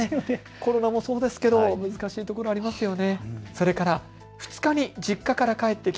コロナもそうですが難しいところはありますよね。